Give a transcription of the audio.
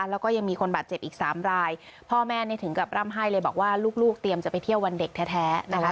แล้วก็ยังมีคนบาดเจ็บอีกสามรายพ่อแม่นี่ถึงกับร่ำไห้เลยบอกว่าลูกเตรียมจะไปเที่ยววันเด็กแท้นะคะ